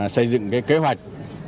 xây dựng kế hoạch